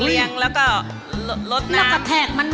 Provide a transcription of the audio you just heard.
แล้วก็ลดน้ำ